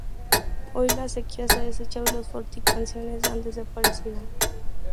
Hoy la acequia se ha desecado y las fortificaciones han desaparecido.